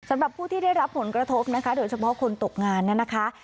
สำหรับผู้ที่ได้รับผลกระทบนะคะโดยเฉพาะคนตกงานเนี่ยนะคะ